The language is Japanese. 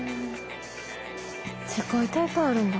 世界大会あるんだ。